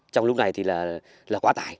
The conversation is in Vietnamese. trong lúc này thì là quá tải